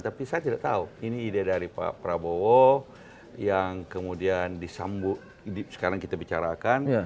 tapi saya tidak tahu ini ide dari pak prabowo yang kemudian disambut sekarang kita bicarakan